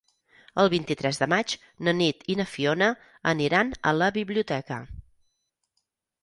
El vint-i-tres de maig na Nit i na Fiona aniran a la biblioteca.